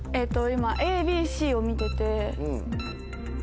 今ＡＢＣを見てて。